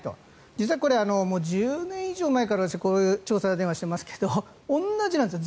実はこれ、１０年以上前からこういう調査電話をしていますが同じなんですよ。